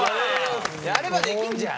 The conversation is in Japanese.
やればできんじゃん！